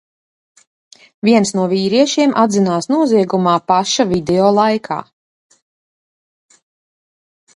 Viens no vīriešiem atzinās noziegumā paša video laikā.